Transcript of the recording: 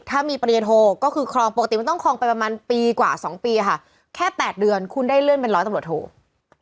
ถ้ามีปริญโทก็คือครองปกติมันต้องครองไปประมาณปีกว่า๒ปีค่ะแค่๘เดือนคุณได้เลื่อนเป็นร้อยตำรวจโท